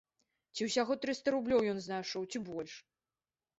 Ці ўсяго трыста рублёў ён знайшоў, ці больш?